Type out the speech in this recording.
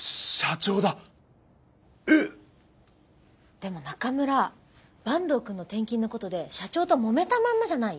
でも中村坂東くんの転勤のことで社長ともめたまんまじゃない？